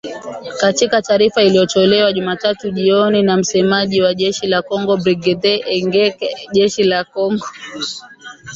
Katika taarifa iliyotolewa Jumatatu jioni na msemaji wa jeshi la kongo Brigedia Ekenge, jeshi la kongo